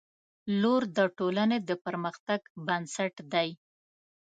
• لور د ټولنې د پرمختګ بنسټ دی.